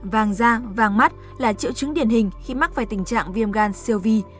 vàng da vàng mắt là triệu chứng điển hình khi mắc về tình trạng viêm gan siêu vi